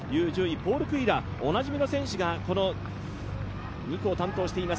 ポール・クイラ、おなじみの選手が２区を担当しています。